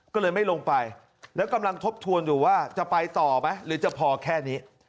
ก็เลยไม่ลงไปแล้วกำลังทบทวนอยู่ว่าจะไปต่อไหมหรือจะพอแค่นี้